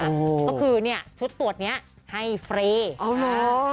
ก็คือชุดตรวจนี้ให้ฟรีเอาล่ะ